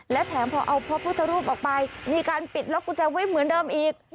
และแถมพอเอาพระพุทธรูปออกไปมีการปิดล็อกกุญแจไว้เหมือนเดิมอีก